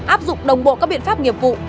áp dụng đồng bộ các biện pháp nghiệp vụ